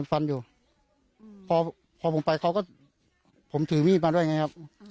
ฟันอยู่พอพอผมไปเขาก็ผมถือมีดมาด้วยไงครับ